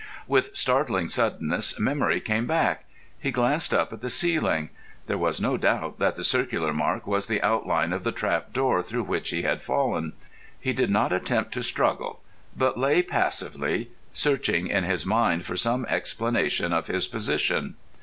With startling suddenness memory came back. He glanced up at the ceiling. There was no doubt that the circular mark was the outline of the trap door through which he had fallen. He did not attempt to struggle, but lay passively searching in his mind for some explanation of his position.